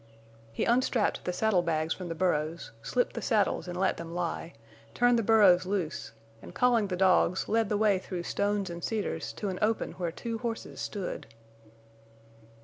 He unstrapped the saddle bags from the burros, slipped the saddles and let them lie, turned the burros loose, and, calling the dogs, led the way through stones and cedars to an open where two horses stood.